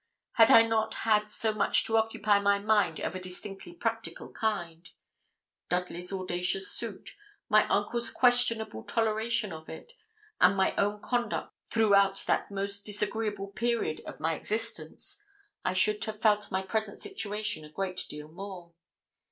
Had I not had so much to occupy my mind of a distinctly practical kind Dudley's audacious suit, my uncle's questionable toleration of it, and my own conduct throughout that most disagreeable period of my existence, I should have felt my present situation a great deal more.